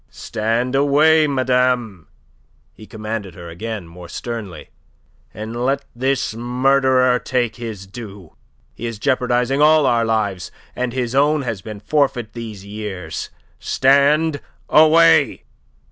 "Stand away, madame," he commanded her again, more sternly, "and let this murderer take his due. He is jeopardizing all our lives, and his own has been forfeit these years. Stand away!"